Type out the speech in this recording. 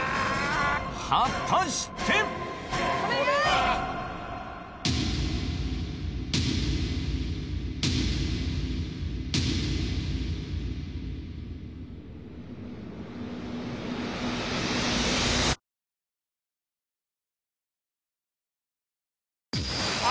果たしてあ！